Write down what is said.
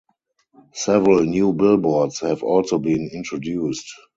Several new billboards have also been introduced.